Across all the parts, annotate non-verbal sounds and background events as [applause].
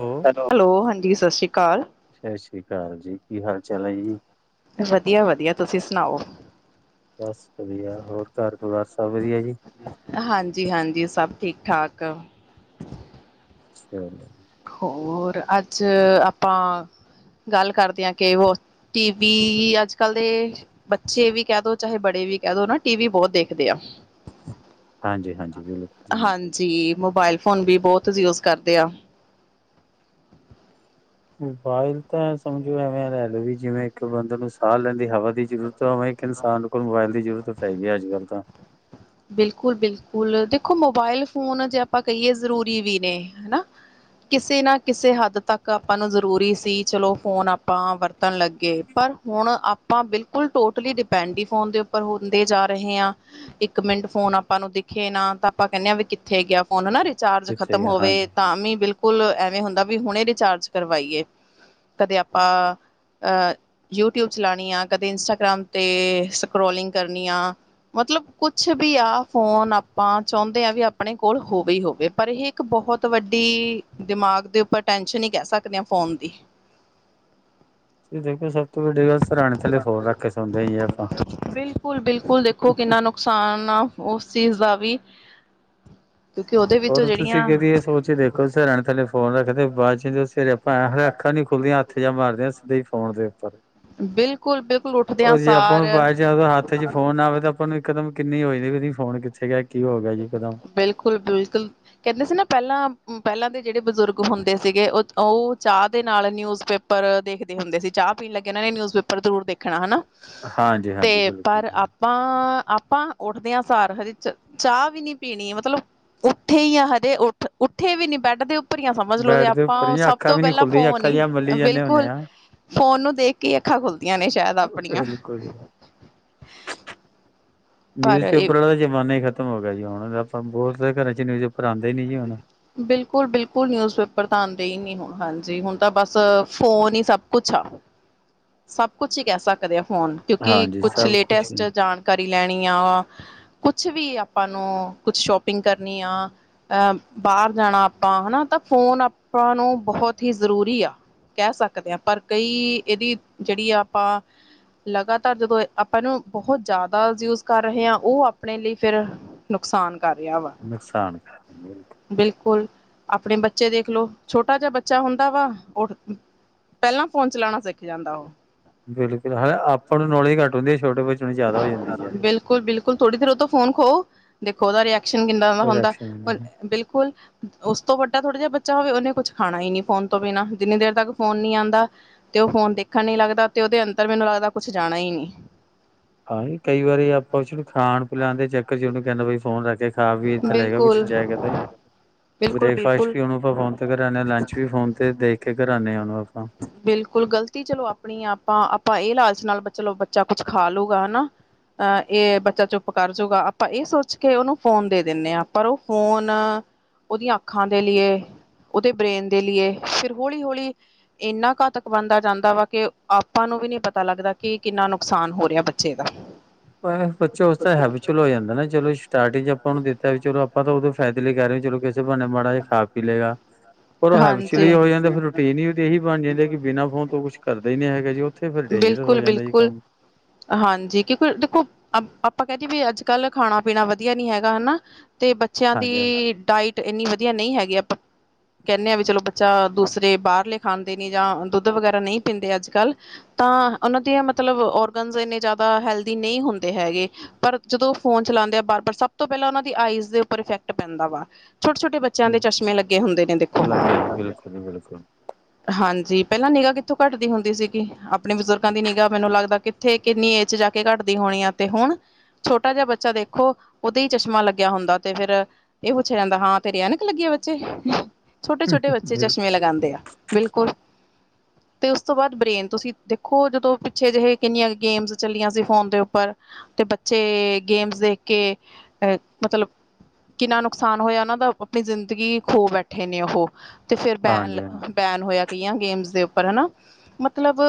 ਹੋ hello hello ਹਾਂਜੀ ਸਤਿ ਸ੍ਰੀ ਆਕਾਲ ਸਤਿ ਸ੍ਰੀ ਅਕਾਲ ਜੀ ਕੀ ਹਾਲ ਚਾਲ ਹੈ ਜੀ ਸੁਣਾਓ ਬਸ ਵਧੀਆ ਹੋਰ ਘਰ ਪਰਿਵਾਰ ਸਭ ਵਧੀਆ ਜੀ ਹਾਂਜੀ ਹਾਂਜੀ ਸਭ ਠੀਕ ਠਾਕ ਚਲੋ ਹੋਰ ਅੱਜ ਆਪਾਂ ਗੱਲ ਕਰਦੇ ਹਾਂ ਕਿ ਟੀਵੀ ਅਜਕਲ ਦੇ ਬੱਚੇ ਵੀ ਕਹਿ ਦੋ ਤੇ ਬੜੇ ਵੀ ਕਹਿ ਦੋ ਟੀਵੀ ਬਹੁਤ ਦੇਖਦੇ ਹੈ ਹਾਂਜੀ ਹਾਂਜੀ ਬਿਲਕੁਲ ਜੀ ਬਿਲਕੁਲ ਹਾਂਜੀ ਮੋਬਾਈਲ ਫੋਨ ਵੀ ਬਹੁਤ ਯੂਜ ਕਰਦੇ ਆ ਮੋਬਾਈਲ ਤਾਂ ਐਂ ਸਮਝੋ ਐਵੇਂ ਲੈ ਲਓ ਵੀ ਜਿਵੇਂ, ਇੱਕ ਬੰਦੇ ਨੂੰ ਸਾਹ ਲੈਂਦੀ ਹਵਾ ਦੀ ਜ਼ਰੂਰਤ [unintelligible] ਉਵੇਂ ਇੱਕ ਇਨਸਾਨ ਕੋਲ ਮੋਬਾਇਲ ਦੀ ਜ਼ਰੂਰਤ ਪੈ ਗਈ ਅੱਜ ਕੱਲ੍ਹ ਤਾਂ ਬਿਲਕੁਲ -ਬਿਲਕੁਲ ਦੇਖੋ ਮੋਬਾਈਲ ਫੋਨ ਜੇ ਆਪਾਂ ਕਹੀਏ ਜ਼ਰੂਰੀ ਵੀ ਨੇ ਹਨਾ ਕਿਸੇ ਨਾ ਕਿਸੇ ਹੱਦ ਤੱਕ ਆਪਾਂ ਨੂੰ ਜ਼ਰੂਰੀ ਸੀ ਚਲੋ ਫੋਨ ਆਪਾਂ ਵਰਤਣ ਲੱਗੇ ਪਰ ਹੁਣ ਆਪਾਂ ਬਿਲਕੁਲ ਟੋਟਲੀ ਡਿਪੈਂਡ ਹੀ ਫੋਨ ਦੇ ਉੱਪਰ ਹੁੰਦੇ ਜਾ ਰਹੇ ਹਾਂ ਇੱਕ ਇੱਕ ਮਿੰਟ ਫੋਨ ਆਪਾਂ ਨੂੰ ਦਿਖੇ ਨਾ ਤਾਂ ਆਪਾਂ ਕਹਿੰਦੇ ਹਾਂ ਵੀ ਕਿੱਥੇ ਗਿਆ ਫੋਨ ਹੈਨਾ ਚਾਰਜ ਕਿੱਥੇ ਖ਼ਤਮ ਗਿਆ ਹੋਵੇ ਹਾਂਜੀ ਤਾਂ ਵੀ ਬਿਲਕੁਲ ਬਿਲਕੁਲ ਐਵੇਂ ਹੁੰਦਾ ਵੀ ਹੁਣੇ ਰਿਚਾਰਜ ਕਰਵਾਈਏ ਕਦੇ ਆਪਾਂ ਅ ਯੂਟਿਊਬ ਚਲਾਉਣੀ ਆ ਕਦੇ ਇੰਸਟਾਗ੍ਰਾਮ ਤੇ ਸਕਰੋਲਿੰਗ ਕਰਨੀ ਆ ਮਤਲਬ ਕੁਛ ਵੀ ਆ ਫੋਨ ਆਪਾਂ ਚਾਹੁੰਦੇ ਹਾਂ ਵੀ ਆਪਣੇ ਕੋਲ ਹੋਵੇ ਹੀ ਹੋਵੇ ਪਰ ਇਹ ਇੱਕ ਬਹੁਤ ਵੱਡੀ ਦਿਮਾਗ ਦੇ ਉੱਪਰ ਟੈਨਸ਼ਨ ਹੀ ਕਹਿ ਸਕਦੇ ਹਾਂ ਫੋਨ ਦੀ ਦੇਖੋ [unintelligible] ਸਰਾਣੇ ਥੱਲੇ ਫੋਨ ਰੱਖ ਕੇ ਸੌਦੇ ਹੀ ਆਪਾਂ ਬਿਲਕੁਲ ਬਿਲਕੁਲ ਦੇਖੋ ਕਿੰਨਾ ਨੁਕਸਾਨ ਆ ਉਸ- ਇਸ ਚੀਜ਼ ਦਾ ਵੀ ਕਿਉਂਕਿ ਉਹਦੇ ਵਿੱਚੋਂ ਹੋਰ ਤੁਸੀਂ ਜਿਹੜੀਆਂ ਕਦੀ ਇਹ ਸੋਚ ਕੇ ਦੇਖੋ ਸਿਰਹਾਣੇ ਥੱਲੇ ਫੋਨ ਰੱਖਦੇ ਬਾਅਦ ਚ ਚ ਸੀ [inaudible] ਫਿਰ ਅਪਣੀ ਹਲੇ ਅੱਖਾਂ ਨੀ ਖੁੱਲਦੀਆਂ [unintelligible] ਉੱਥੇ ਜਾ ਮਾਰਦੇ ਹਾਂ ਸਿੱਧੇ ਫੋਨ ਦੇ ਉੱਪਰ ਬਿਲਕੁਲ-ਬਿਲਕੁਲ [unintelligible] ਉੱਠਦਿਆਂ ਉਹ ਜੇ ਆਪਾਂ ਨੂੰ ਸਾਰ ਬਾਅਦ ਚ ਹੱਥ ਚ ਫੋਨ ਆਵੇ ਤਾਂ ਆਪਾਂ ਨੂੰ ਇੱਕਦਮ ਕਿੰਨੀ ਹੋਈ [unintelligible] ਫੋਨ ਕਿੱਥੇ ਗਿਆ ਕੀ ਹੋ ਗਿਆ ਜੀ ਇੱਕਦਮ ਬਿਲਕੁਲ -ਬਿਲਕੁਲ। ਕਹਿੰਦੇ ਸੀ ਨਾ ਪਹਿਲਾਂ-ਪਹਿਲਾਂ ਦੇ ਜਿਹੜੇ ਬਜ਼ੁਰਗ ਹੁੰਦੇ ਸੀਗੇ ਉਹ ਚਾਹ ਦੇ ਨਾਲ ਨਿਊਜ਼ ਪੇਪਰ ਦੇਖਦੇ ਹੁੰਦੇ ਸੀ, ਚਾਹ ਪੀਣ ਲੱਗੇ ਉਹਨਾਂ ਨੇ ਨਿਊਜ਼ ਪੇਪਰ ਜ਼ਰੂਰ ਦੇਖਣਾ ਹਨਾ। ਹਾਂਜੀ ਤੇ ਹਾਂਜੀ ਬਿਲਕੁਲ ਪਰ ਆਪਾਂ -ਆਪਾਂ ਉੱਠਦਿਆ [unintelligible] ਚਾਹ ਵੀ ਨੀ ਪੀਣੀ ਮਤਲਬ ਉੱਠੇ ਹੀ ਆ ਹਜੇ ਉੱਠੇ ਵੀ ਨੀ ਬੈਡ ਦੇ ਅੱਖਾਂ ਭਰੀਆਂ ਸਮਝ ਲੋੋ ਬੈਡ ਦੇ ਉੱਪਰ ਆਪਾਂ ਹੀ ਸਭ ਅੱਖਾਂ ਤੋਂ ਵੀ ਨੀ ਪਹਿਲਾਂ ਖੁੱਲਦੀਆਂ ਫੋਨ ਅੱਖਾਂ ਹੀ ਜਿਹਾ ਮੱਲੀ ਜਾਂਦੇ ਹੁੰਦੇ ਬਿਲਕੁਲ ਆ ਫੋਨ ਨੂੰ ਦੇਖ ਕੇ ਅੱਖਾਂ ਖੁੱਲਦੀਆਂ ਨੇ ਸ਼ਾਇਦ ਆਪਣੀਆਂ ਬਿਲਕੁਲ ਜੀ ਨਿਊਜ਼ ਪਰ ਇਹ ਪੇਪਰ ਵਾਲਾ ਜ਼ਮਾਨਾ ਹੀ ਖਤਮ ਹੋ ਗਿਆ ਜੀ। [inaudible] ਬਹੁਤ ਸਾਰੇ ਘਰਾਂ ਚ ਨਿਊਜ਼ਪੇਪਰ ਆਉ ਬਿਲਕੁਲ -ਬਿਲਕੁਲ ਨਿਊਜ਼ ਪੇਪਰ ਤਾਂ ਆਉਂਦੇ ਹੀ ਨਹੀਂ। ਹਾਂਜੀ ਹੁਣ ਤਾਂ ਬਸ ਫੋਨ ਹੀ ਸਭ ਕੁਛ ਆ, ਸਭ ਕੁਛ ਹੀ ਕਹਿ ਸਕਦੇ ਹਾਂ। ਫੋਨ ਕਿਉਂਕਿ ਹਾਂਜੀ ਕੁਛ ਸਭ ਲੇਟੈਸਟ ਹੀ ਜਾਣਕਾਰੀ ਲੈਣੀ ਆ ਕੁਛ ਵੀ ਆਪਾਂ ਨੂੰ ਕੁਛ ਸ਼ੋਪਿੰਗ ਕਰਨੀ ਆ ਅਹ ਬਾਹਰ ਜਾਣਾ ਆਪਾਂ ਹਨਾ ਤਾਂ ਫੋਨ ਆਪਾਂ ਨੂੰ ਬਹੁਤ ਹੀ ਜ਼ਰੂਰੀ ਆ, ਕਹਿ ਸਕਦੇ ਹਾਂ ਪਰ ਕਈ ਇਹਦੀ ਜਿਹੜੀ ਆ ਆਪਾਂ ਲਗਾਤਾਰ ਜਦੋਂ ਆਪਾਂ ਇਹਨੂੰ ਬਹੁਤ ਜ਼ਿਆਦਾ ਯੂਜ ਕਰ ਰਹੇ ਹਾਂ ਉਹ ਆਪਣੇ ਲਈ ਫਿਰ ਨੁਕਸਾਨ ਕਰ ਰਿਹਾ ਵਾ। ਨੁਕਸਾਨ ਬਿਲਕੁਲ ਬਿਲਕੁਲ। ਆਪਣੇ ਬੱਚੇ ਦੇਖਲੋ, ਛੋਟਾ ਜਿਹਾ ਬੱਚਾ ਹੁੰਦਾ ਵਾ, ਉਹ ਪਹਿਲਾਂ ਫੋਨ ਚਲਾਉਣਾ ਸਿੱਖ ਜਾਂਦਾ ਓਹੋ ਬਿਲਕੁਲ, ਹਲੇ ਆਪਾਂ ਨੂੰ ਨੌਲੇਜ ਘੱਟ ਹੁੰਦੀ। ਛੋਟੇ ਬੱਚੇ ਨੂੰ ਜ਼ਿਆਦਾ ਹੋ ਜਾਂਦੀ ਹੈ ਬਿਲਕੁਲ ਬਿਲਕੁਲ, ਥੋੜੀ ਦੇਰ ਉਤੋਂ ਫੋਨ ਖੋਓ। ਦੇਖੋ ਉਹਦਾ ਰਿਐਕ ਸ਼ਨ ਕਿੱਦਾ ਦਾ ਹੁੰਦਾ ਰਿਐਕਸ਼ਨ ਹੁਣ ਬਿਲਕੁਲ ਉਸ ਤੋਂ ਵੱਡਾ ਥੋੜਾ ਜਿਹਾ ਬੱਚਾ ਹੋਵੇ, ਉਹਨੇ ਕੁਛ ਖਾਣਾ ਹੀ ਨੀ ਫੋਨ ਤੋਂ ਬਿਨਾ। ਜਿੰਨੀ ਦੇਰ ਤੱਕ ਫੋਨ ਨੀ ਆਂਦਾ, ਤੇ ਉਹ ਫੋਨ ਦੇਖਣ ਨੀ ਲੱਗਦਾ, ਤੇ ਉਹਦੇ ਅੰਦਰ ਮੈਨੂੰ ਲੱਗਦਾ ਕੁਛ ਜਾਣਾ ਹੀ ਨੀ। ਹਾਂ, ਕਈ ਵਾਰੀ ਆਪਾਂ ਉਸਨੂੰ ਖਾਣ ਪਿਲਾਉਣ ਦੇ ਚੱਕਰ ਚ ਉਹਨੂੰ ਕਹਿੰਦਾ ਬ, ਫੋਨ ਰੱਖ ਕੇ ਹਾਂ, ਵੇਖ ਲਏਗਾ ਕੁਛ ਬਿਲਕੁਲ ਜਾਏਗਾ ਤੇ ਨੀ। ਬਿਲਕੁਲ ਬ੍ਰੇਕਫਾਸਟ ਬਿਲਕੁਲ ਵੀ ਉਹਨੂੰ ਆਪਾਂ ਫੋਨ ਤੇ ਕਰਾਦੇ ਹ, ਲੰਚ ਵੀ ਫੋਨ ਤੇ ਦੇਖ ਕੇ ਕਰਾਦੇ ਆ ਉਹਨੂੰ ਆਪਾਂ, ਬਿਲਕੁਲ ਇ ਲਾਲਚ ਨਾਲ ਚਲੋ, ਬੱਚਾ ਕੁਛ ਖਾ ਲਊਗਾ ਹਨਾ। ਅਹ, ਇਹ ਬੱਚਾ ਚੁੱਪ ਕਰ ਜੂਗਾ ਆਪਾਂ ਇਹ ਸੋਚ ਕੇ ਉਹਨੂੰ ਫੋਨ ਦੇ ਦਿੰਦੇ ਆ, ਪਰ ਉਹ ਫੋਨ ਉਹਦੀਆਂ ਅੱਖਾਂ ਦੇ ਲਈ, ਉਹਦੇ ਬ੍ਰੇਨ ਦੇ ਲਈ। ਫਿਰ ਹੌਲੀ ਹੌਲੀ ਇੰਨਾ ਘਾਤਕ ਬਣਦਾ ਜਾਂਦਾ ਵਾ, ਕਿ ਆਪਾਂ ਨੂੰ ਵੀ ਨਹੀਂ ਪਤਾ ਲੱਗਦਾ ਕਿ ਕਿੰਨਾ ਨੁਕਸਾਨ ਹੋ ਰਿਹਾ ਬੱਚੇ ਦਾ। ਬੱਚਾ ਉਸ ਦਾ ਹੈਬਚੁਅਲ ਹੋ ਜਾਂਦਾ ਹੈ ਨਾ, ਚਲੋ ਸਟਾ [unintelligible] ਚ ਆਪਾਂ ਨੂੰ ਦਿੱਤਾ ਵੀ ਚਲੋ ਆਪਾਂ ਤਾਂ ਉੋਂ ਫਾਇਦੇ ਲਈ ਕਹ ਰਹੇ ਹਾਂ ਚਲੋ ਬਣੇ, ਮਾੜਾ ਜਿਹਾ ਖਾ ਪੀ ਲਏਗਾ, ਪਰ ਉਹ ਹਾਂਜੀ। ਹੈਵਚਲੀ ਹੋ ਜਾਂਦਾ। ਫਿਰ ਰੂਟੀਨ ਹੀ ਇਹੀ ਬਣ ਜਾਂਦੀ ਕਿ ਬਿਨਾਂ ਫੋਨ ਤੋਂ ਕੁਛ ਕਰਦੇ ਨੀ, ਹੈਗਾ ਜੀ ਉਹ ਬਿਲਕੁਲ ਬਿਲਕੁਲ, ਹਾਂਜੀ ਕਿਉੰਕਿ ਦੇਖੋ, ਆਪਾਂ ਕਹਿਦੀਏ ਵੀ ਅੱਜ ਕੱਲ੍ਹ ਖਾਣਾ-ਪੀਣਾ ਵਧੀਆ ਨੀ ਹੈਗਾ, ਹਨਾ? ਤੇ ਬੱਚਿਆਂ ਦੀ ਹਾਂਜੀ ਡਾਇਟ? ਇੰਨੀ ਵਧੀਆ ਨਹੀਂ ਹੈਗੀ। ਆਪਾਂ ਕਹਿੰਦੇ ਹਾਂ ਵੀ ਚਲੋ, ਬੱਚਾ ਦੂਸਰੇ ਬਾਹਰਲੇ ਖਾਂਦੇ ਨੇ, ਜਾਂ ਦੁੱਧ ਵਗੈਰਾ ਨਹੀਂ ਪੀਂਦੇ ਅੱਜ ਕੱਲ੍ਹ ਤਾਂ ਉਹਨਾਂ ਦੀਆਂ ਮਤਲਬ ਔਰਗਨਜ਼ ਇੰਨੇ ਜ਼ਿਆਦਾ ਹੈਲਦੀ ਨਹੀਂ ਹੁੰਦੇ ਹੈਗੇ। ਪਰ ਜਦੋਂ ਉਹ ਫੋਨ ਚਲਾਉਂਦੇ ਆ, ਬਾਰ-ਬਾਰ ਸਭ ਤੋਂ ਪਹਿਲਾਂ ਉਹਨਾਂ ਦੀ ਆਈਜ਼ ਦੇ ਉੱਪਰ ਇਫੈਕਟ ਪੈਂਦਾ ਵਾ। ਛੋਟੇ-ਛੋਟੇ, ਬੱਚਿਆ ਦੇ ਹਾਂਜੀ ਚਸ਼ਮੇ ਲੱਗੇ ਹੁੰਦੇ ਨੇ ਵੇਖੋ। ਲੱਗਿਆ ਜੀ ਬਿਲਕੁਲ ਜੀ ਬਿਲਕੁਲ। ਹਾਂਜੀ ਜੀ, ਪਹਿਲਾਂ ਨਿਗਾਹ ਕਿੱਥੋਂ ਘੱਟਦੀ ਹੁੰਦੀ ਸੀਗੀ? ਆਪਣੇ ਬਜ਼ੁਰਗਾਂ ਦੀ ਨਿਗਾਹ ਮੈਨੂੰ ਲੱਗਦਾ ਕਿੱਥੇ, ਕਿੰਨੀ ਏਜ ਜਾ ਕੇ ਘੱਟਦੀ ਹੋਣੀ ਆ। ਤੇ ਹੁਣ ਛੋਟਾ ਜਿਹਾ ਬੱਚਾ ਦੇਖੋ, ਉਹਦੇ ਹੀ ਚਸ਼ਮਾ ਲੱਗਿਆ ਹੁੰਦਾ। ਤੇ ਫੇਰ ਇਹ ਪੁੱਛਿਆ ਜਾਂਦਾ ਹਾਂ। ਤੇਰੇ ਐਨਕ ਲੱਗੇ ਆ ਬੱਚੇ? ਛੋਟੇ-ਛੋਟੇ ਬੱਚੇ ਬਿਲ ਚਸ਼ਮੇ ਲਗਾਉਂਦੇ ਆ, ਬਿਲਕੁਲ। ਤੇ ਉਸ ਤੋਂ ਬਾਅਦ ਬ੍ਰੇਨ, ਤੁਸੀਂ ਦੇ ਖੋ, ਜਦੋਂ ਪਿੱਛੇ ਜਿਹੇ ਕਿੰਨੀਆਂ ਗੇਮਸ ਚੱਲੀਆਂ ਸੀ ਫੋਨ ਦੇ ਉੱਪਰ, ਤੇ ਬੱਚੇ ਗੇਮਸ ਦੇਖ ਕੇ ਅ ਮਤਲਬ ਕਿੰਨਾ ਨੁਕਸਾਨ ਹੋਇਆ ਉਹਨਾਂ ਦਾ! ਆਪਣੀ ਜ਼ਿੰਦਗੀ ਖੋ ਬੈਠੇ ਨੇ ਉਹ। ਤੇ ਫੇਰ ਹਾਂਜੀ ਹਾਂਜੀ ਬੈਨ-ਬੈਨ ਹੋਇਆ। ਗੇਮਸ ਦੇ ਉੱਪਰ, ਹਨਾ, ਮਤਲਬ।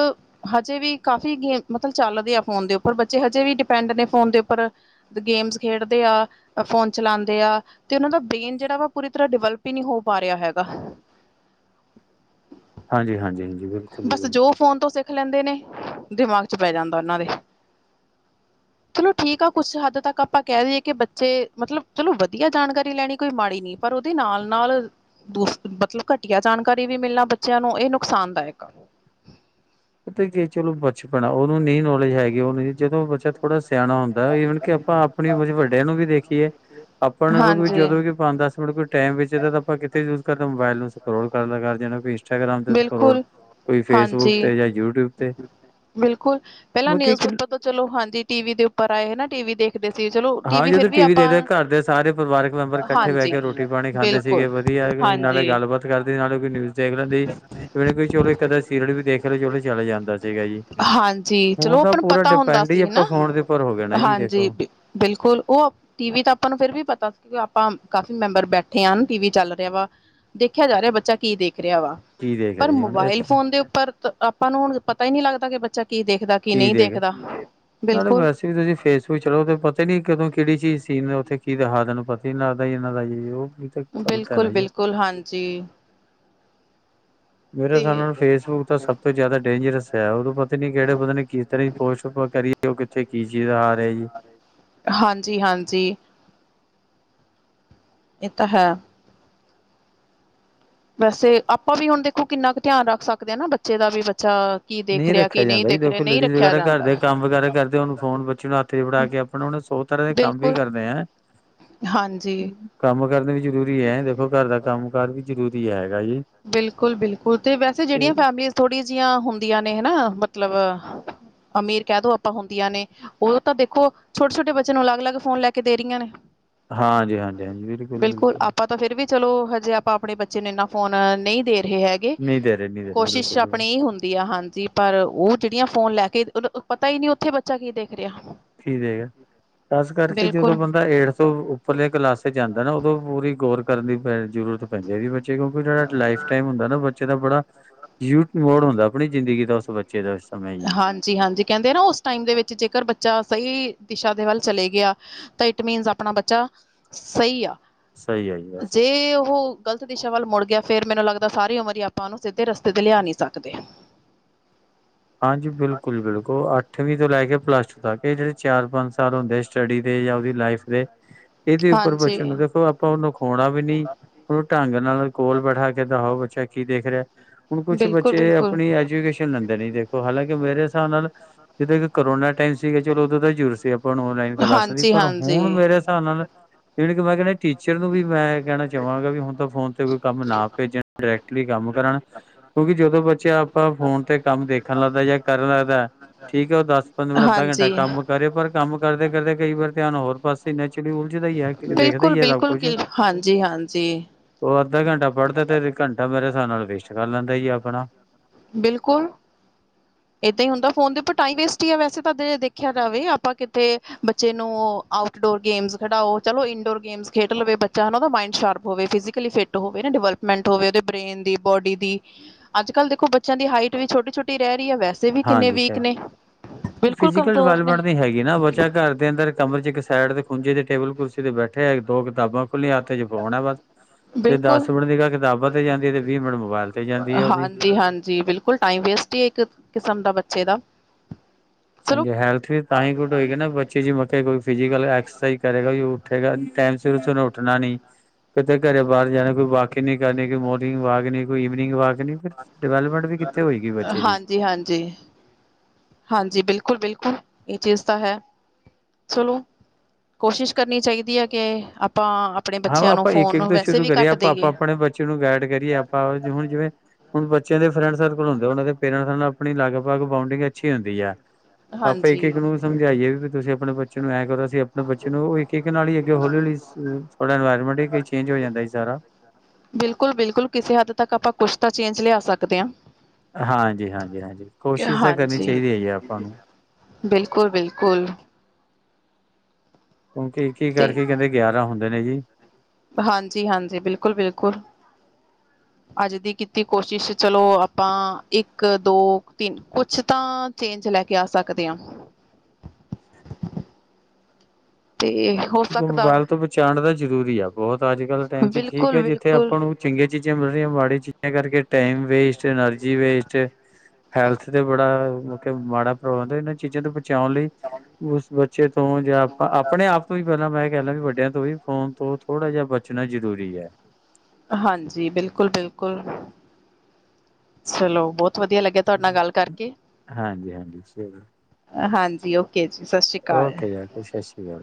ਹਜੇ ਵੀ ਕਾਫੀ ਗੇਮ, ਮਤਲਬ, ਚਲਦੇ ਆ ਫੋਨ ਦੇ ਉਪਰ। ਬੱਚੇ ਹਜੇ ਵੀ ਡਿਪੈਂਡ ਨੇ ਫੋਨ ਦੇ ਉੱਪਰ, ਗੇਮਸ ਖੇਡਦੇ ਆ, ਫੋਨ ਚਲਾਂਦੇ ਆ, ਤੇ ਉਹਨਾ ਦਾ ਬ੍ਰੇਨ ਜਿਹੜਾ ਵਾ ਪੂਰੀ ਤਰਾ ਡੇਵੇਲਪ ਹੀ ਨਹੀਂ ਹੋ ਪਾ ਰਿਹਾ ਹੈਗਾ ਹਾਂਜੀ, ਹਾਂਜੀ। ਬਿਲਕੁਲ ਜੀ ਬਸ, ਜੋ ਬਿਲਕੁਲ। ਫੋਨ ਤੋਂ ਸਿੱਖ ਰਖ ਲੈਂਦੇ ਨੇ, ਦਿਮਾਗ ਚ ਬਹਿ ਜਾਂਦਾ ਉਹਨਾਂ ਦੇ। ਚਲੋ ਠੀਕ ਆ, ਕੁਛ ਹੱਦ ਤੱਕ ਆਪਾਂ ਕਹਿ ਦੇਈਏ ਕਿ ਬੱਚੇ ਮਤਲਬ ਚਲੋ ਵਧੀਆ ਜਾਣਕਾਰੀ ਲੈਣੀ, ਕੋਈ ਮਾੜੀ ਨਈਂ। ਪਰ ਉਹਦੇ ਨਾਲ-ਨਾਲ ਦੂਸ ਮਤਲਬ ਘਟੀਆ ਜਾਣਕਾਰੀ ਵੀ ਮਿਲਣਾ, ਬੱਚਿਆਂ ਨੂੰ ਇਹ ਨੁਕਸਾਨਦਾਇਕ [inaudible] ਉਹ ਤੇ ਚਲੋ ਪੜਣਾ ਉਹਨੂੰ ਨੀ, ਨੋਲੇਜ ਹੈਗੇ ਉਹਨੂੰ। ਜਦੋਂ ਬੱਚਾ ਥੋੜਾ ਸਿਆ ਸਿਆਣਾ ਹੁੰਦਾ। ਈਵਨ ਕਿ ਆਪਾਂ ਆਪਣੀ ਵੱਡਿਆਂ ਨੂੰ ਵੀ ਦੇਖੀਏ, ਆਪਾਂ ਨੂੰ ਵੀ ਹਾਂਜੀ। ਜਦੋਂ ਪੰਜ-ਦਸ ਮਿੰਟ ਕੋਈ ਟੈਮ ਵੇਦਾ ਤਾਂ ਆਪਾਂ ਕਿੱਥੇ ਯੂਜ ਕਰਦੇ ਮੋਬਾਇਲ ਨੂੰ। ਰੋਲ ਕਰ ਲਕਰ ਜਾਣਾ ਭੇ ਇੰਸਟਾਗ੍ਰਾਮ ਤੇ ਸਕਰੋਲ ਬਿਲਕੁਲ, ਕੋਈ ਫੇਸਬੁੱਕ ਹਾਂਜੀ। ਤੇ ਜਾਂ ਯੂਟਿਊਬ ਤੇ ਬਿਲਕੁਲ, ਪਹਿਲਾਂ ਬਾਕੀ ਨਿਊਜ਼ ਇੱਕ ਪੇਪਰ ਤੋਂ ਚਲੋ ਹਾਂਜੀ ਟੀ ਵੀ ਦੇ ਉੱਪਰ ਆਏ ਨਾਂ ਟੀ ਵੀ ਦੇਖਦੇ ਸੀ। ਚਲੋ ਹਾਂ ਟੀਵੀ ਫਿਰ ਜਦੋਂ ਟੀ ਵੀ ਆਪਾਂ ਦੇਖਦੇ ਘਰ ਦੇ ਸਾਰੇ ਪਰਿਵਾਰਕ ਮੈਂਬਰ ਇਕੱਠੇ ਬਹਿ ਹਾਂਜੀ, ਕੇ ਰੋਟੀ ਪਾਣੀ ਖਾਂਦੇ ਬਿਲਕੁਲ, ਸੀਗੇ। ਵਧੀਆ ਨਾਲੇ ਹਾਂਜੀ। ਗੱਲਬਾਤ ਕਰਦੇ ਸੀ ਨਾਲੇ ਕੋਈ ਨਿਊਜ਼ ਦੇ ਚਲੋ ਕ ਸੀਰੀਅਲ ਵੀ ਦੇਖ ਲਓ ਚੋ ਚਲੇ ਜਾਂਦਾ ਸੀਗਾ ਜੀ। ਹਾਂਜੀ, ਹੁਣ ਚਲੋ ਤਾਂ ਆਪਾਂ ਨੂੰ ਪੂਰਾ ਪਤਾ ਹੁੰਦਾ ਡਿਪੈਂਡ ਹੀ ਸੀ ਆਪਾਂ ਹਨਾ। ਫੋਨ ਦੇ ਉੱਪਰ ਹੋ ਗਿਆ ਨਾ ਜੀ ਹਾਂਜੀ ਦੇਖੋ। ਬਿਲਕੁਲ ਉਹ ਟੀ ਵੀ ਤਾਂ ਆਪਾਂ ਨੂੰ ਫਿਰ ਵੀ ਪਤਾ ਆਪਾਂ ਕਾਫੀ ਮੈਂਬਰ ਬੈਠੇ ਆਂ ਟੀ ਵੀ ਚੱਲ ਰਿਹਾ ਵਾ ਦੇਖਿਆ ਜਾ ਰਿਹਾ ਬੱਚਾ ਕੀ ਦੇਖ ਰਿਆ ਵਾ ਕੀ ਦੇਖ ਪਰ ਰਹੇ ਜੀ ਹੁਣ ਮੋਬਾਇਲ ਇੱਥੇ ਫੋਨ ਦੇ ਉੱਪਰ ਤਾਂ ਆਪਾਂ ਨੂੰ ਹੁਣ ਪਤਾ ਹੀ ਨਈਂ ਲੱਗਦਾ ਕਿ ਬੱਚਾ ਕੀ ਦੇਖਦਾ ਕੀ ਨਹੀਂ ਦੇਖ ਦੇਖਦਾ ਨਾਲੇ ਬਿਲਕੁਲ ਵੈਸੇ ਵੀ ਤੁਸੀਂ ਫੇਸਬੁ ਚਲੋ ਪਤਾ ਹੀ ਨੀਂ ਕਦੋਂ ਕਿਹੜੀ ਚੀਜ਼ ਸੀਨ ਉੱਥੇ ਕੀ ਦਿਖਾ ਦੇਣ। ਪਤੀ ਨਾ ਦਾ ਨਾਂ ਦਾ ਉਹ ਵੀ ਤਾਂ ਗ਼ਲਤ ਹੈ ਬਿਲਕੁਲ ਨਾ ਜੀ। ਬਿਲਕੁਲ, ਹਾਂਜੀ। ਮੇਰਾ ਸਾਨੂੰ ਤੇ ਨਾਲ ਫੇਸਬੁੱਕ ਦਾ ਸਭ ਤੋਂ ਜ਼ਿਆਦਾ ਡੇਂਜਰਸ ਐ, ਓਦੋਂ ਪਤਾ ਨੀਂ ਕਿਹੜੇ ਬੰਦੇ ਨੇ ਕਿਸ ਤਰਾਂ ਪੋਸਟ ਕਰੀਂ। ਉੱਥੇ ਕੀ ਚੀਜ ਆ ਰਿਹਾ ਜੀ। [inaudible] ਹਾਂਜੀ ਹਾਂਜੀ। ਇਹ ਤਾਂ ਹੈ। ਵੈਸੇ ਆਪਾਂ ਵੀ ਹੁਣ ਦੇਖੋ ਕਿੰਨਾ ਕੁ ਧਿਆਨ ਰੱਖ ਸਕਦੇ ਆਂ ਨਾ ਬੱਚੇ ਦਾ ਵੀ ਬੱਚਾ ਕੀ ਦੇਖ ਨਈਂ ਰਿਹਾ ਰੱਖਿਆ ਕੀ ਨਹੀਂ ਜਾਂਦਾ ਜੀ, ਦੇਖ ਰਿਹਾ ਦੇਖੋ ਨਹੀਂ ਲੇਡੀਜ਼ ਰੱਖਿਆ ਵਗੈਰਾ ਜਾਂਦਾ ਘਰਦੇ ਕੰਮ ਵਗੈਰਾ ਕਰਦੇ ਅ ਫੋਨ ਬੱਚੇ ਨੂੰ ਹੱਥ ਚ ਫੜਾ ਕੇ ਆਪਣਾ ਸੌ ਤਰ੍ਹਾਂ ਦੇ ਕੰਮ ਵੀ ਬਿਲਕੁਲ ਕਰਣੇ ਐ। ਹਾਂਜੀ ਕੰਮ ਕਰਦੇ ਵੀ ਜ਼ਰੂਰੀ ਐ, ਦੇਖੋ ਘਰ ਦਾ ਕੰਮ ਕਾਰ ਵੀ ਜ਼ਰੂਰੀ ਐ, ਹੈਗਾ ਜੀ। ਬਿਲਕੁਲ, ਬਿਲਕੁਲ ਤੇ ਵੈਸੇ ਜਿਹੜੀਆਂ ਤੇ ਫੈਮਲੀ ਥੋੜੀ ਜਿਹੀਆਂ ਹੁੰਦੀ ਆਂ ਨੇ ਹਨਾਂ ਮਤਲਬ ਅਮੀਰ ਕਹਿ ਦੋ ਆਪਾਂ ਹੁੰਦੀਆਂ ਨੇਂ। ਉਹ ਤਾਂ ਦੇਖੋ ਛੋਟੇ ਛੋਟੇ ਬੱਚੇ ਨੂੰ ਅਲੱਗ-ਅਲੱਗ ਫੋਨ ਲੈ ਕੇ ਦੇ ਰਹੀਆਂ ਨੇ। ਹਾਂਜੀ ਹਾਂਜੀ ਹਾਂਜੀ, ਬਿਲਕੁਲ ਬਿਲਕੁਲ। ਆਪਾਂ ਤਾਂ ਫਿਰ ਵੀ ਚਲੋ ਹਜੇ ਆਪਾਂ ਆਪਣੇ ਬੱਚੇ ਨੇ ਇੰਨ੍ਹਾਂ ਫੋਨ ਨਈਂ ਦੇ ਰਹੇ ਹੈਗੇ ਨਹੀਂ ਦੇ ਰਹੇ ਨਹੀਂ ਦੇ ਰਹੇ ਕੋਸ਼ਿਸ਼ ਬਿਲਕੁਲ ਆਪਣੀ ਈ ਹੁੰਦੀ ਆ, ਹਾਂਜੀ ਪਰ ਉਹ ਜਿਹੜੀਆਂ ਫੋਨ ਲੈ ਕੇ ਪ ਪਤਾ ਈਂ ਨਈਂ ਉੱਥੇ ਬੱਚਾ ਕੀ ਦੇਖ ਰਿਹਾ ਕੀ ਦੇਗਾ ਖਾਸ ਕਰਕੇ ਜਦੋਂ ਬਿਲਕੁਲ। ਬੰਦਾ ਹੇਠ ਤੋਂ ਉੱਪਰਲੇ ਕਲਾਸ ਚ ਜਾਂਦਾ ਨਾ ਉਦੋਂ ਪੂਰੀ ਗੋੌਰ ਕਰਨੀ ਪੈਂਦੀ ਜ਼ਰੂਰਤ ਪੈਂਦੀ ਹੈ ਵੀ ਬੱਚੇ ਕਿਉਂਕਿ ਜਿਹੜਾ ਲਾਈਫ ਟਾਈਮ ਹੁੰ ਨਾ ਬੱਚੇ ਦਾ ਬੜਾ ਯੂਟ ਮੋਡ ਹਦਾ ਆਪਣੀ ਜ਼ਿੰਦਗੀ ਦਾ [unintelligible] ਸੁੱਚੇ ਦਸ [unintelligible] ਹਾਂਜੀ ਹਾਂਜੀ ਕਹਿੰਦੇ ਨਾ ਉਸ ਟਾਈਮ ਦੇ ਵਿੱਚ ਜੇਕਰ ਬੱਚਾ ਸਹੀ ਦਿਸ਼ਾ ਦੇ ਵੱਲ ਚਲੇ ਗਿਆ ਤਾਂ ਇਟ ਮੀਨਸ ਆਪਣਾ ਬੱਚਾ ਸਹੀ ਆ ਸਹੀ ਹੈ ਜੀ ਬਸ ਜੇ ਉਹ ਗ਼ਲਤ ਦਿਸ਼ਾ ਵੱਲ ਮੁੜ ਗਿਆ ਫੇਰ। ਮੈਨੂੰ ਲੱਗਦਾ ਸਾਰੀ ਉਮਰ ਹੀ ਆਪਾਂ ਉਹਨੂੰ ਸਿੱਧੇ ਰਸਤੇ ਤੇ ਲਿਆ ਨਹੀਂ ਸਕਦੇ। ਹਾਂਜੀ ਬਿਲਕੁਲ ਬਿਲਕੁਲ ਅੱਠਵੀਂ ਤੋਂ ਲੈ ਕੇ ਪਲੱਸ ਟੂ ਤੱਕ ਇਹ ਜਿਹੜੇ ਚਾਰ ਪੰਜ ਸਾਲ ਹੁੰਦੇ। ਸਟੱਡੀ ਦੇ ਜਾਂ ਉਹਦੀ ਲਾਈਫ ਦੇ ਇਹਦੇ ਉਪਰ ਹਾਂਜੀ। ਬੱਚੇ ਨੂੰ ਦੇਖੋ ਆਪਾਂ ਉਹਨੂੰ ਖੋਣਾ ਵੀ ਨੀ ਉਹਨੂੰ ਢੰਗ ਨਾਲ ਕੋਲ ਬੈਠਾ ਕੇ ਦਿਖਾਓ ਬੱਚਾ ਕੀ ਦੇਖ ਰਿਹਾ ਹੁਣ ਕੁਛ ਬਿਲਕੁਲ ਬੱਚੇ ਬਿਲਕੁਲ। ਆਪਣੀ ਐਜੂਕੇਸ਼ਨ ਲੈਂਦੇ ਨੀ ਦੇ ਹਾਲਾਂਕਿ ਮੇਰੇ ਹਿਸਾਬ ਨਾਲ ਜਿੱਦਾਂ ਕਿ ਕਰੋਨਾ ਟਾਈਮ ਸੀਗਾ ਚਲੋ ਉਦੋਂ ਦਾ ਜ਼ਰੂਰਤ ਸੀ ਆਪਾਂ ਨੂੰ ਔਨਲਾਈਨ ਕਲਾਸਾਂ ਦੀ। ਹਾਂਜੀ ਪਰ ਹਾਂਜੀ। ਹੁਣ ਮੇਰੇ ਹਿਸਾਬ ਨਾਲ ਜਿਵੇ ਕਿ ਮੈਂ ਕਹਿੰਦਾ ਟੀਚਰ ਨੂੰ ਵੀ ਮੈਂ ਕਹਿਣਾ ਚਾਹਵਾਂਗਾ ਵੀ ਹੁਣ ਤਾਂ ਫੋਨ ਤੇ ਕੋਈ ਕੰਮ ਨਾ ਭੇਜਣ ਡਾਇਰੈਕਟਲੀ ਕੰਮ ਕਰਨ ਕਿਉਂਕਿ ਜਦੋਂ ਬੱਚੇ ਆਪਾਂ ਫੋਨ ਤੇ ਕੰਮ ਦੇਖ ਦੇਖਣ ਲੱਗਦਾ ਜਾਂ ਕਰਨ ਲੱਗਦਾ ਐ ਠੀਕ ਹੈ ਉਹ ਦੱਸ [unintelligible] ਪੰ ਮੜ ਅੱਧਾ ਘੰਟਾ ਹਾਂਜੀ। ਕੰਮ ਕਰੇ ਪਰ ਕੰਮ [unintelligible] ਕਰਦੇ ਕਰਦੇ ਕਈ ਵਾਰ ਧਿਆਨ ਹੋਰ ਪਾਸੇ ਨੈਚੁਲੀ ਬਿਲਕੁਲ ਬਿਲਕੁਲ ਕਿ ਹਾਂਜੀ ਹਾਂਜੀ। ਉਹ ਅੱਧਾ ਘੰਟਾ ਪੜ੍ਹਦਾ ਤੇ ਘੰਟਾ ਮੇਰੇ ਸਾਬ ਨਾਲ ਵੇਸਟ ਕਰ ਲੈਂਦਾ ਜੀ ਆਪਣਾ। ਬਿਲਕੁਲ ਏਦਾਂ ਹੀ ਹੁੰਦਾ ਫੋਨ ਤੇ ਉਪਰ ਟਾਈਮ ਵੇਸਟ ਆ ਵੈਸੇ ਤਾਂ ਦੇਖਿਆ ਜਾਵੇ ਆਪਾ ਕਿਤੇ ਬੱਚੇ ਨੂੰ ਆਉਟ ਡੋਰ ਗੇਮਸ ਖਡਾਓ ਚਲੋ ਇੰਡੋਰ ਗੇਮਸ ਖੇਡ ਲਵੇ ਬਚਾ ਹਨਾ ਚਲੋ ਓਦਾ ਮਾਈਂਡ ਸਾ਼ਰਪ ਹੋਵੇ ਫੀਜੀਕਲੀ ਫਿਟ ਹੋਵੇ ਨਾ ਡਿਵੈਲਪਮੈਂਟ ਹੋਵੇ ਓਦੇ ਬ੍ਰੇਨ ਦੀ ਬੋਡੀ ਦੀ ਅੱਜ ਕਲ ਦੇਖੋ ਬ ਬੱਚਿਆਂ ਦੀ ਹਾਈਟ ਵੀ ਛੋਟੀ ਛੋਟੀ ਰਹੀ ਹੈ ਵੈ ਹਾਂਜੀ ਸ਼ਾਇਦ ਬਿਲਕੁਲ ਫਿਜੀਕਲ ਕਮਜ਼ੋਰ ਨੇ ਡਿਵੈਲਪਮੈਂਟ ਨੀ ਹੈਗੀ ਨਾ ਬੱਚਾ ਘਰ ਦੇ ਅੰਦਰ ਕਮਰੇ ਚ ਇੱਕ ਸਾਈਡ ਦੇ ਖੁੰਜੇ ਤੇ ਟੇਬਲ ਕੁਰਸੀ ਤੇ ਬੈਠਾ ਹੈ। ਦੋ ਕਿਤਾਬਾਂ ਹਥ ਚ ਫੋਨ ਐ ਬਸ ਜੇ ਦਸ ਬਿਲਕੁਲ ਮਿੰਟ ਨਿਗ੍ਹਾ ਕਿਤਾਬਾਂ ਤੇ ਜਾਂਦੀ ਤੇ ਵੀਹ ਮਿੰਟ ਮੋਬਾਇਲ ਤੇ ਜਾਂਦੀ ਆ ਉਹਦੀ। ਹਾਂਜੀ ਹਾਂਜੀ ਬਿਲਕੁਲ ਟਾਈਮ ਵੇਸਟ ਹੀ ਇੱਕ ਕਿਸਮ ਦਾ ਬੱਚੇ ਦਾ। ਹਾਂਜੀ ਹੈਲਥ ਵੀ ਤਾਂ ਹੀ ਗੁਡ ਹੋਏਗੀ ਨਾ ਬੱਚੇ ਜੇ ਮਤਲਬ ਕੋਈ ਫਿਜੀਕਲ ਐਕਸਰਸਾਈਜ ਕਰੇਗਾ ਉਠੇਗਾ ਟੈਮ ਸਿਰ ਉਠ ਨਾ ਨੀ ਕਿਤੇ ਘਰੇ ਬਾਹਰ ਜਾਣਾ ਕੋਈ ਵਾਕਿੰਗ ਨੀ ਕਰਨੀ ਕੋਈ ਮੋਰਨਿੰਗ ਵਾਕ ਨੀ। ਕੋਈ ਈਵਨਿੰਗ ਵਾਕ ਫਿਰ ਡਿਵੈਲਪਮੈਂਟ ਵੀ ਕਿੱਥੇ ਹੋਏਗੀ ਬੱਚੇ ਦੀ। ਹਾਂਜੀ ਹਾਂਜੀ ਹਾਂਜੀ ਬਿਲਕੁਲ ਬਿਲਕੁਲ ਇਹ ਚੀਜ਼ ਤਾਂ ਹੈ ਚਲੋ ਕੋਸ਼ਿਸ਼ ਕਰਨੀ ਚਾਹੀਦੀ ਹੈ ਕਿ ਅ ਹਾਂ ਆਪਾਂ ਇੱਕ ਇੱਕ ਤੋਂ ਸ਼ੁਰੂ ਕਰੀਏ ਘੱਟ ਆਪਾਂ ਆਪਾਂ ਦੇਈਏ ਆਪਣੇ ਬੱਚੇ ਨੂੰ ਗਾਈਡ ਕਰੀਏ ਆਪਾਂ ਹੁਣ ਜਿਵੇਂ ਹੁਣ ਬੱਚਿਆਂ ਦੇ ਫਰੈਂਡ ਸਰਕਲ ਹੁੰਦੇ ਓਨਾਂ ਦੇ ਪੇਰੈਂਟਸ ਨਾਲ ਆਪਣੀ ਲਗ ਬਕ ਬਾਊਂਡਿੰਗ ਅੱਛੀ ਹੁੰਦੀ ਐ। [unintelligible] ਆਪਾਂ ਇੱਕ ਹਾਂਜੀ ਇੱਕ ਨੂੰ ਸਮਝਾਈਏ ਵੀ ਤੁਸੀਂ ਆਪਣੇ ਬੱਚੇ ਨੂੰ ਐਂ ਕਰੋ ਅਸੀਂ ਆਪਣੇ ਬੱਚੇ ਨੂੰ ਉਹ ਇੱਕ ਇੱਕ ਨਾਲੀ ਅੱਗੇ ਹੌਲੀ ਹੌਲੀ ਇਨਵਾਇਰਮੈਂਟ ਹੀ ਚੇਂਜ ਹੋ ਜਾਂਦਾ ਜੀ ਸਾਰਾ ਬਿਲਕੁਲ ਬਿਲਕੁਲ ਕਿਸੇ ਹੱਦ ਤੱਕ ਆਪਾਂ ਕੁਛ ਤਾਂ ਚੇਂਜ ਲਿਆ ਸਕਦੇ ਹਾਂ। ਹਾਂਜੀ ਹਾਂਜੀ ਹਾਂਜੀ ਕੋਸ਼ਿਸ਼ ਤਾਂ ਕਰਨੀ ਹਾਂਜੀ, ਚਾਹੀਦੀ ਹੈ ਜੀ ਆਪਾਂ ਨੂੰ। ਬਿਲਕੁਲ-ਬਿਲਕੁਲ। ਕਿਉਂਕਿ ਇੱਕ ਹੀ ਕਰਕੇ ਕਹਿੰਦੇ ਗਿਆਰਾਂ ਹੁੰਦੇ ਨੇ ਜੀ। ਹਾਂਜੀ ਹਾਂਜੀ ਬਿਲਕੁਲ ਬਿਲਕੁਲ ਅੱਜ ਦੀ ਕੀਤੀ ਕੋਸ਼ਿਸ਼ ਚਲੋ ਆਪਾਂ ਇੱਕ ਦੋ ਤਿੰਨ ਕੁਛ ਤਾਂ ਚੇਂਜ ਲੈ ਕੇ ਆ ਸਕਦੇ ਹਾਂ ਤੇ ਹੋ ਕਿਉਂਕਿ ਸਕਦਾ ਮੋਬਾਇਲ ਤੋਂ ਬਚਾਉਣ ਦਾ ਜ਼ਰੂਰੀ ਆ ਬਹੁਤ ਅੱਜ ਕੱਲ ਟਾਈਮ ਚ ਠੀਕ ਹੈ ਜਿੱਥੇ ਬਿਲਕੁਲ-ਬਿਲਕੁਲ। ਆਪਾਂ ਨੂੰ ਚੰਗੀਆਂ ਚੀਜ਼ਾਂ ਮਿਲ ਰਹੀਆਂ ਮਾੜੀ ਚੀਜ਼ਾਂ ਕਰਕੇ ਟਾਈਮ ਵਸ਼ ਐਨਰਜੀ ਵੇਸਟ ਹੈਲਥ ਤੇ ਬੜਾ ਮਤਲਬ ਮਾੜਾ ਪ੍ਰੋਬਲਮ ਇਹਨਾਂ ਚੀਜ਼ਾਂ ਤੋਂ ਚਾਹ ਲਈ ਉਸ ਬੱਚੇ ਤੋਂ ਜਾਂ ਆਪਾਂ ਆਪਣੇ ਆਪ ਪਹਿਲਾਂ ਮੈਂ ਕਹਿ ਲ ਵੀ ਵੱਡਿਆਂ ਤੋਂ ਵੀ ਫੋਨ ਤੋਂ ਥੋੜਾ ਜਿਹਾ ਬਚਣਾ ਜਰੂਰੀ ਹੈ ਹਾਂਜੀ ਬਿਲਕੁਲ ਬਿਲਕੁਲ ਚਲੋ ਬਹੁਤ ਵਧੀਆ ਲੱਗਿਆ ਤੁਹਾਡੇ ਨਾਲ ਗੱਲ ਕਰਕੇ ਹਾਂਜੀ ਹਾਂਜੀ ਚਲੋ ਹਾਂਜੀ ਓਕੇ ਜੀ ਸਤ ਸ੍ਰੀ ਅਕਾਲ ਓਕੇ ਜੀ ਓਕੇ ਸਤਿ ਸ਼੍ਰੀ ਅਕਾਲ